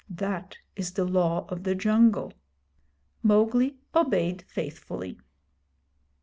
That is the Law of the Jungle.' Mowgli obeyed faithfully.